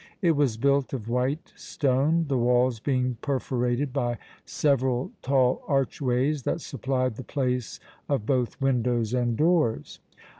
It was built of white stone, the walls being perforated by several tall archways that supplied the place of both windows and doors.